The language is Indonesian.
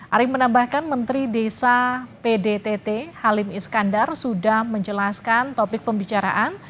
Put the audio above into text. arief menambahkan menteri desa pdtt halim iskandar sudah menjelaskan topik pembicaraan